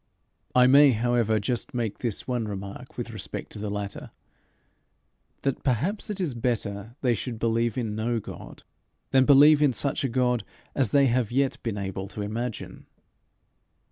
I may, however, just make this one remark with respect to the latter that perhaps it is better they should believe in no God than believe in such a God as they have yet been able to imagine.